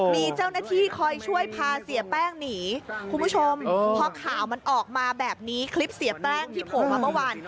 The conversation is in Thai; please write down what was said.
มีเจ้าหน้าที่คอยช่วยพาเสียแป้งหนีคุณผู้ชมพอข่าวมันออกมาแบบนี้คลิปเสียแป้งที่โผล่มาเมื่อวาน